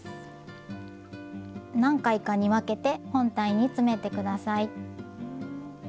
何回かに分けて本体に詰めて下さい。